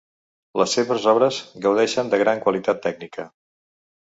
Les seves obres gaudeixen de gran qualitat tècnica.